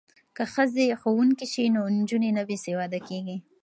که ښځې ښوونکې شي نو نجونې نه بې سواده کیږي.